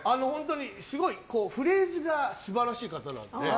すごいフレーズが素晴らしい方なので。